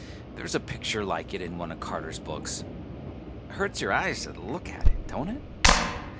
There's a picture like it in one of Carter's books. Hurts your eyes to look at it, don't it?